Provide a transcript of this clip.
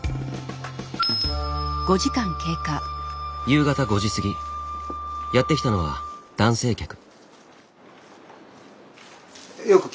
夕方５時過ぎやって来たのは男性客。